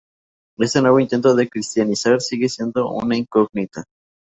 Este nuevo intento de cristianizar sigue siendo una incógnita.